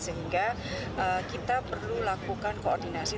sehingga kita perlu lakukan koordinasi